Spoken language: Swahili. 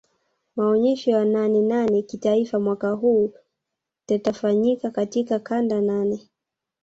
Maonyesho ya nane nane kitaifa mwaka huu tatafanyika katika kanda nane